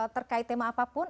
terkait tema apapun